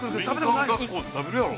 ◆林間学校で食べるやろ。